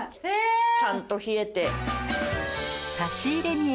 ちゃんと冷えて。